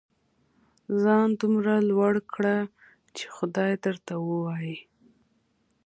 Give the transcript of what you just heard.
ځان دومره لوړ کړه چې خدای درته ووايي.